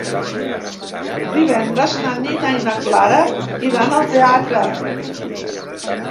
Divendres na Nina i na Clara iran al teatre.